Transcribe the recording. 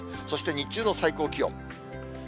そして日中の最高気温。